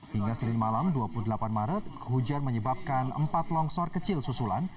hingga senin malam dua puluh delapan maret hujan menyebabkan empat longsor kecil susulan